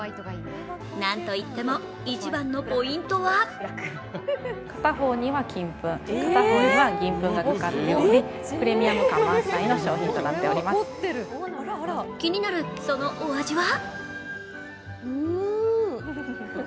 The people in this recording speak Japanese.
なんと言っても一番のポイントは気になるそのお味は？